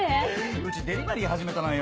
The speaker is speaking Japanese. うちデリバリー始めたのよ。